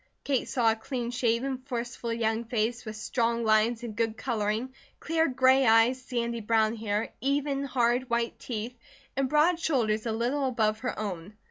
Kate saw a clean shaven, forceful young face, with strong lines and good colouring, clear gray eyes, sandy brown hair, even, hard, white teeth, and broad shoulders a little above her own.